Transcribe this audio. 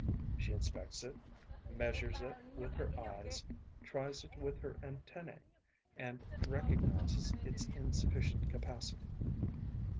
She inspects it, measures it with her eyes, tries it with her antennae and recognizes its insufficient capacity.